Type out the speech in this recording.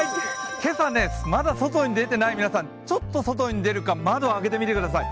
今朝ね、まだ外に出てない皆さん、ちょっと外に出るか窓を開けてみてください。